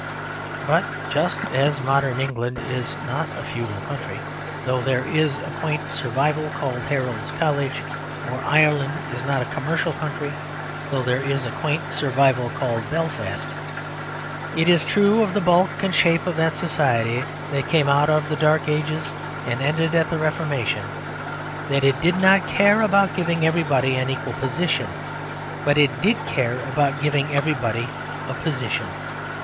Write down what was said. But just as modern England is not a feudal country, though there is a quaint survival called Heralds' College or Ireland is not a commercial country, though there is a quaint survival called Belfast it is true of the bulk and shape of that society that came out of the Dark Ages and ended at the Reformation, that it did not care about giving everybody an equal position, but did care about giving everybody a position.